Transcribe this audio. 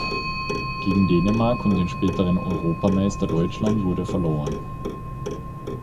Gegen Dänemark und den späteren Europameister Deutschland wurde verloren.